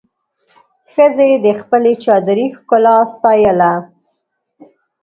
ښځې د خپلې چادري ښکلا ستایله.